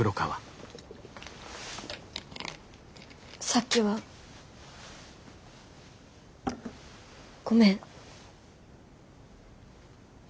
さっきはごめん。